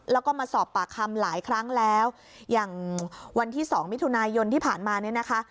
แล้วก็มาสอบปากคำหลายครั้งแล้วอย่างวันที่สองมิถุนายนที่ผ่านมาเนี่ยนะคะ